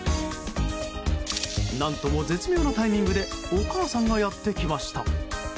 何とも絶妙なタイミングでお母さんがやってきました。